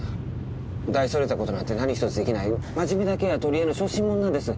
大それた事なんて何ひとつできない真面目だけが取り柄の小心者なんです。